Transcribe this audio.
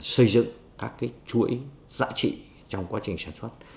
xây dựng các chuỗi giá trị trong quá trình sản xuất